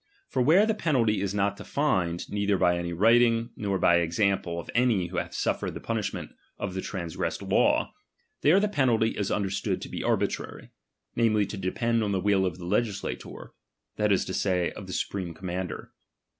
For where the " penalty is not defined, neither by any writing, nor t>y example of any who hath suffered the punish ttient of the transgressed law, there the penalty is U riderstood to be arbitrary ; namely, to depend on ttie will of the legislator, that is to say, of the su Pi~eme commander.